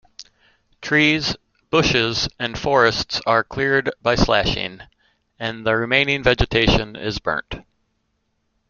Trees, bushes and forests are cleared by slashing, and the remaining vegetation is burnt.